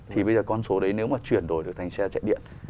thì bây giờ con số đấy nếu mà chuyển đổi được thành xe chạy điện